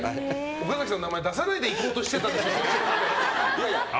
岡崎さんの名前、出さないでいこうとしてたでしょ。